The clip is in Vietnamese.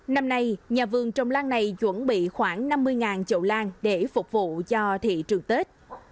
năm nay nhà vườn trong lan này chuẩn bị khoảng năm mươi chậu lan để phục vụ cho thị trường tết